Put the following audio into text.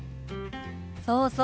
そうそう。